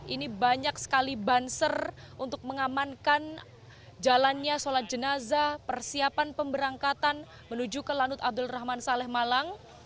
ini banyak sekali banser untuk mengamankan jalannya sholat jenazah persiapan pemberangkatan menuju ke lanut abdul rahman saleh malang